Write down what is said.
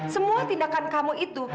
semua tindakan kamu itu